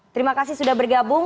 terima kasih sudah bergabung